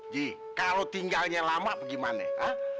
ji kalau tinggalnya lama gimana ya